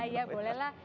iya boleh lah